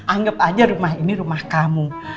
anggap aja rumah ini rumah kamu